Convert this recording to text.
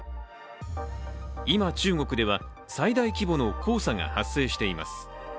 今、中国では最大規模の黄砂が発生しています。